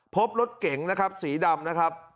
พบรถเข่งสีดำนะครับ